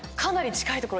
近いところ？